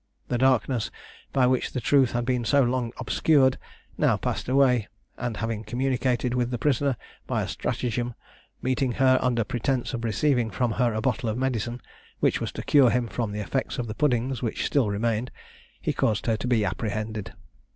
The darkness, by which the truth had been so long obscured, now passed away, and having communicated with the prisoner, by a stratagem, meeting her under pretence of receiving from her a bottle of medicine, which was to cure him from the effects of the puddings which still remained, he caused her to be apprehended.